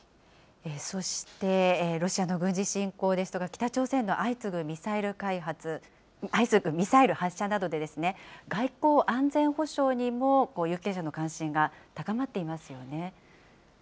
そして、ロシアの軍事侵攻ですとか、北朝鮮の相次ぐミサイル発射などで、外交・安全保障にも有権者の関心が高まっていますよね。